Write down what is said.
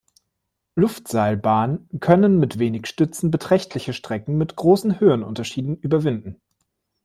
Luftseilbahn können mit wenig Stützen beträchtliche Strecken mit großen Höhenunterschieden überwinden.